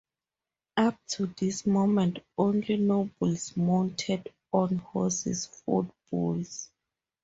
Up to this moment, only nobles mounted on horses fought bulls.